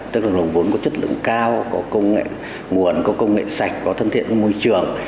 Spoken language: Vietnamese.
tức là lồn có chất lượng cao có công nghệ nguồn có công nghệ sạch có thân thiện với môi trường